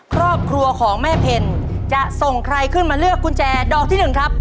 ครอบครัวของแม่เพลจะส่งใครขึ้นมาเลือกกุญแจดอกที่หนึ่งครับ